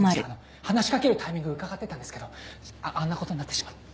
話し掛けるタイミング伺ってたんですけどあんなことになってしまって。